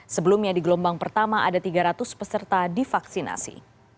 sebelumnya di gelombang pertama ada tiga ratus peserta divaksinasi